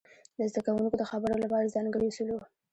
د زده کوونکو د خبرو لپاره ځانګړي اصول وو.